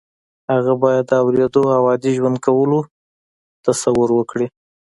هغه باید د اورېدو او عادي ژوند کولو تصور وکړي